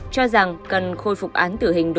cho rằng cần khôi phục án tử hình